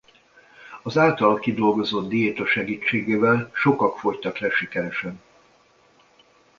Az általa kidolgozott diéta segítségével sokak fogytak le sikeresen.